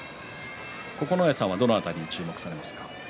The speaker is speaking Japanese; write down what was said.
九重さんはどの辺りに注目されますか？